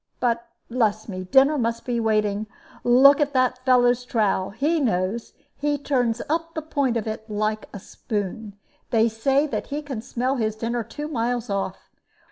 But, bless me! dinner must be waiting. Look at that fellow's trowel he knows: he turns up the point of it like a spoon. They say that he can smell his dinner two miles off.